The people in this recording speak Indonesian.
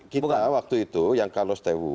kita waktu itu yang carlos tehu